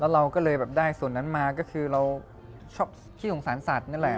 เราก็เลยแบบได้ส่วนนั้นมาก็คือเราชอบขี้สงสารสัตว์นั่นแหละ